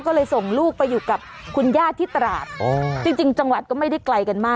ก็เลยส่งลูกไปอยู่กับคุณย่าที่ตราดจริงจังหวัดก็ไม่ได้ไกลกันมาก